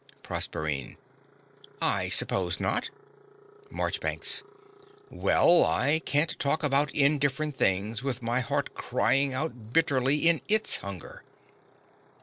PROSERPINE. I suppose not. MARCHBANKS. Well: I can't talk about indifferent things with my heart crying out bitterly in ITS hunger.